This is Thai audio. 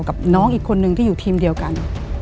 กับน้องอีกคนนึงที่อยู่ทีมเดียวกัน